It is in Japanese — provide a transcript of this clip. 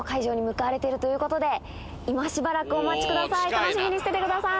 楽しみにしててください！